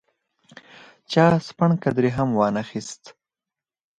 چا سپڼ قدرې هم وانه اخیست.